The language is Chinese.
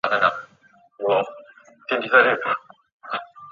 学历多为大学文凭。